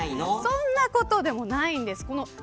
そんなことないんです。